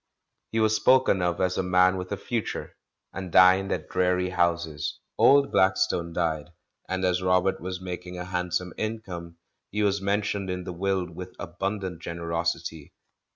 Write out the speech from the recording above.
He was spoken of as a man with a future, and dined at dreary houses. Old Blackstone died, and as Robert was making a handsome income he was mentioned in the will with abimdant generosity.